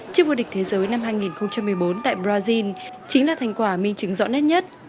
chiếc vô địch thế giới năm hai nghìn một mươi bốn tại brazil chính là thành quả minh chứng rõ nét nhất